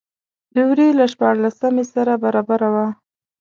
د وري له شپاړلسمې سره برابره وه.